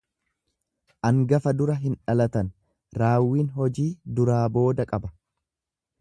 Angafa dura hin dhalatan, raawwiin hojii duraa booda qaba.